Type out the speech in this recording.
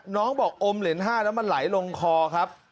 น้องบอกอมิเล็น๕แล้วมาไหลลงคอครับ